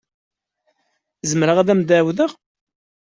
Zemreɣ ad am-d-ɛawdeɣ?